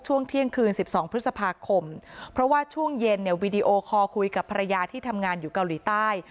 ช่วงเที่ยงคืน๑๒พฤษภาคมเพราะว่าช่วงเย็นเนี่ยวีดีโอคอลคุยกับภรรยาที่ทำงานอยู่เกาหลีใต้